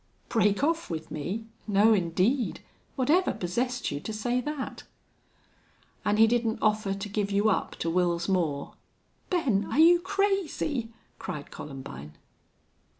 "Break off with me!... No, indeed! Whatever possessed you to say that?" "An' he didn't offer to give you up to Wils Moore?" "Ben, are you crazy?" cried Columbine.